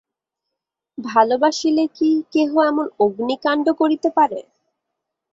ভালোবাসিলে কি কেহ এমন অগ্নিকাণ্ড করিতে পারে।